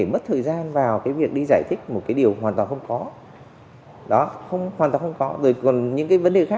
một lời đồn về dịch bệnh được tung ra